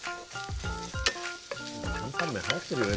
担々麺、はやってるよね。